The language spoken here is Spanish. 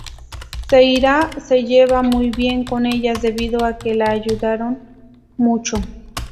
Seira se lleva muy bien con ellas debido a que la ayudaron mucho.